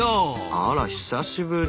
あら久しぶり。